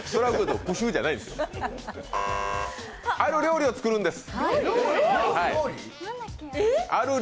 ある料理を作るんです。